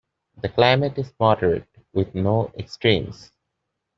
The climate is moderate with no extremes.